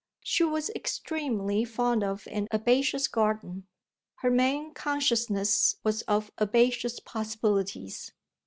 She was extremely fond of an herbaceous garden her main consciousness was of herbaceous possibilities.